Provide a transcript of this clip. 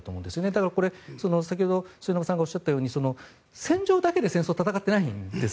だから、先ほど末延さんがおっしゃったように戦場だけで戦争戦ってないんです。